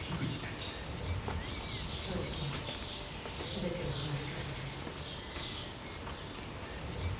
正直に全てを話してください。